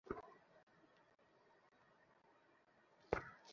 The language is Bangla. অন্ধকার কোলঘেঁসিয়া অতিকাছে আসিয়া দাঁড়াইল!